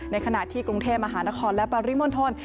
ในขณะที่กรุงเทพมหานครและปริมณฑล